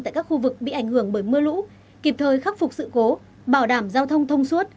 tại các khu vực bị ảnh hưởng bởi mưa lũ kịp thời khắc phục sự cố bảo đảm giao thông thông suốt